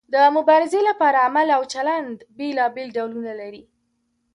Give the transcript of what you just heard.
د مبارزې لپاره عمل او چلند بیلابیل ډولونه لري.